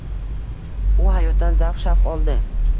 U hayotdan zavq-shavq oldi.